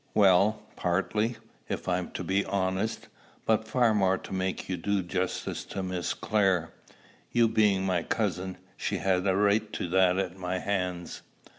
"Well partly if I am to be honest; but far more to make you do justice to Miss Clare. You being my cousin, she had a right to that at my hands."